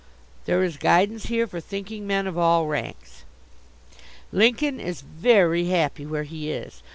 There is guidance here for thinking men of all ranks. Lincoln is very happy where he is.